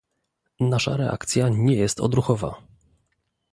Nasza reakcja nie jest odruchowa